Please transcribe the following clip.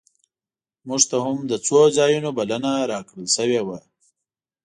مونږ ته هم له څو ځایونو بلنه راکړل شوې وه.